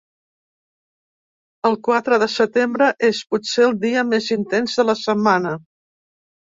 El quatre de setembre és, potser, el dia més intens de la setmana.